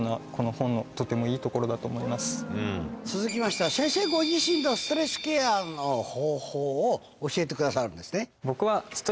続きましては先生ご自身のストレスケアの方法を教えてくださるんですね。